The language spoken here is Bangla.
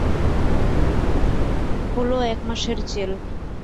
হল এক মাসের জেল।